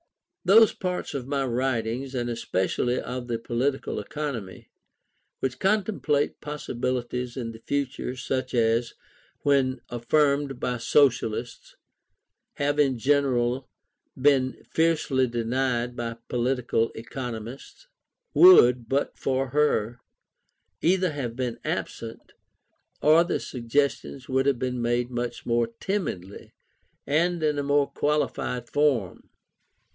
Those parts of my writings, and especially of the Political Economy, which contemplate possibilities in the future such as, when affirmed by Socialists, have in general been fiercely denied by political economists, would, but for her, either have been absent, or the suggestions would have been made much more timidly and in a more qualified form.